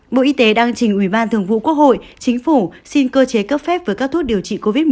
bộ y tế đang trình ủy ban thường vụ quốc hội chính phủ xin cơ chế cấp phép với các thuốc điều trị covid một mươi